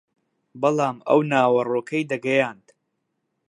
بەڵام ئەم ناوەڕۆکەی دەگەیاند